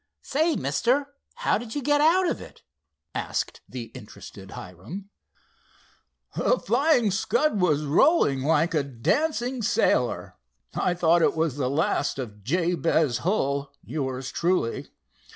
"Say, mister, how did you get out of it?" asked the interested Hiram. "The Flying Scud was rolling like a dancing sailor. I thought it was the last of Jabez Hull, yours truly.